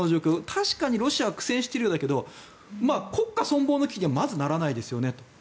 確かにロシアは苦戦しているようだけど国家存亡の危機にはまずならないですよねと。